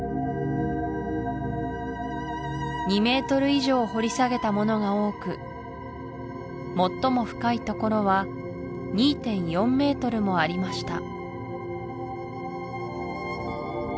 ２ｍ以上掘り下げたものが多く最も深いところは２．４ｍもありました